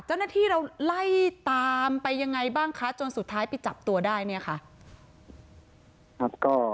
เจ้าหน้าที่เราไล่ตามไปยังไงบ้างถึงสุดท้ายถึงจับตัวได้ค่ะ